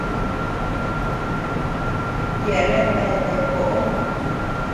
Yeaben eate koʼo.